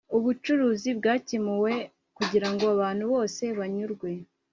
ubucuruzi bwakemuwe kugirango abantu bose banyurwe